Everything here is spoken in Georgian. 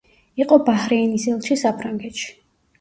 იყო ბაჰრეინის ელჩი საფრანგეთში.